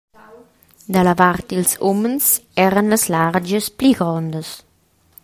Dalla vart dils umens eran las largias pli grondas.